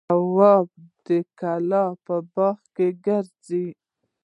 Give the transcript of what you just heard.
تواب د کلا په باغ کې ګرځېده.